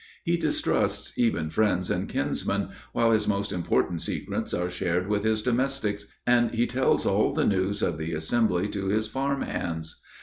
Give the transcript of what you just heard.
He distrusts even friends and kinsmen, while his most important secrets are shared with his domestics, and he tells all the news of the Assembly to his farm hands.